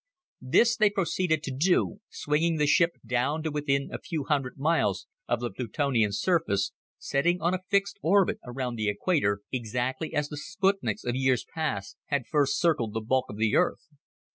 This they proceeded to do, swinging the ship down to within a few hundred miles of the Plutonian surface, setting on a fixed orbit around the equator, exactly as the sputniks of years past had first circled the bulk of the Earth.